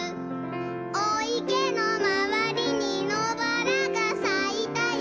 「おいけのまわりにのばらがさいたよ」